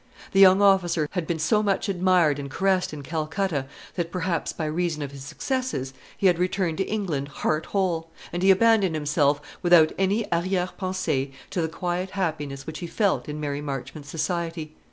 The young officer had been so much admired and caressed in Calcutta, that perhaps, by reason of his successes, he had returned to England heart whole; and he abandoned himself, without any arrière pensée, to the quiet happiness which he felt in Mary Marchmont's society.